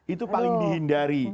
itu paling dihindari